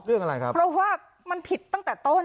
เรื่องอะไรครับเพราะว่ามันผิดตั้งแต่ต้น